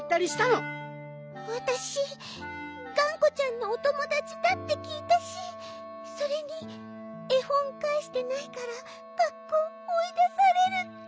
わたしがんこちゃんのおともだちだってきいたしそれにえほんかえしてないから学校おいだされるって。